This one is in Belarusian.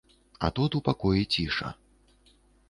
А тут у пакоі ціша.